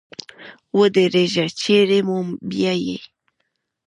ودرېږه چېري مو بیایې ؟